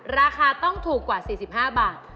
ราคาต้องถูกกว่า๔๕บาท